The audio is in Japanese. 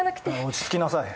落ち着きなさい。